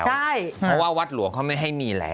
เพราะว่าวัดหลวงเขาไม่ให้มีแล้ว